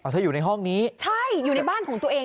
กูไม่ไปไหนด้วยนั้น